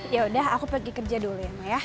ya udah aku pergi kerja dulu ya mak ya